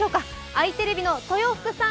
あいテレビの豊福さん